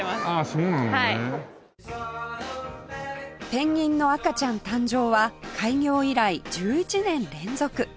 ペンギンの赤ちゃん誕生は開業以来１１年連続